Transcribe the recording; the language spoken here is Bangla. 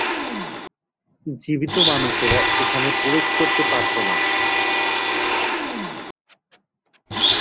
জীবিত মানুষেরা এখানে প্রবেশ করতে পারত না।